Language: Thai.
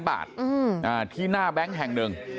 บาทที่หน้าแบงค์แห่งหนึ่ง